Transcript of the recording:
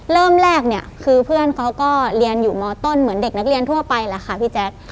เริ่มแรกเนี่ยคือเพื่อนเขาก็เรียนอยู่มต้นเหมือนเด็กนักเรียนทั่วไปแหละค่ะพี่แจ๊ค